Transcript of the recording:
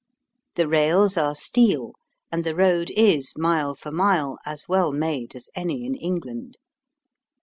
The rails are steel, and the road is, mile for mile, as well made as any in England.